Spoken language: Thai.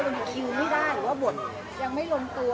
เรื่องที่คิวไม่ได้หรือบทยังไม่ลงตัว